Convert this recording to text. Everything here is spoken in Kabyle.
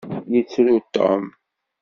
Yettru Tom.